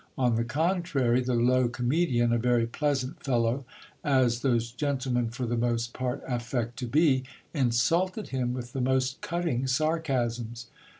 On the contrary, the low comedian, a very pleasant fellow, as those gentlemen for the most part affect to be, insulted him with the most cutting sarcasms.